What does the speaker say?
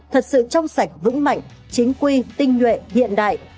thật sự trong sạch vững mạnh chính quy tinh nhuệ hiện đại